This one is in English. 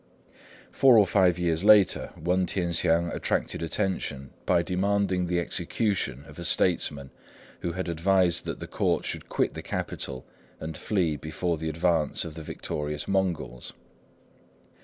Four or five years later Wên T'ien hsiang attracted attention by demanding the execution of a statesman who had advised that the Court should quit the capital and flee before the advance of the victorious Mongols.